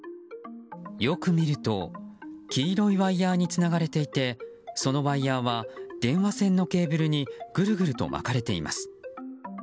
よく見ると黄色いワイヤにつながれていてそのワイヤは電話線のケーブルにぐるぐると巻かれています。